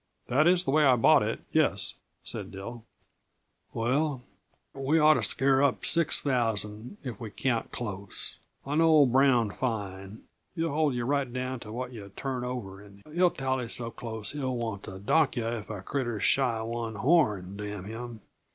"That is the way I bought it, yes," said Dill. "Well, we ought to scare up six thousand, if we count close. I know old Brown fine; he'll hold yuh right down t' what yuh turn over, and he'll tally so close he'll want to dock yuh if a critter's shy one horn damn him.